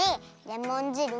レモンじる！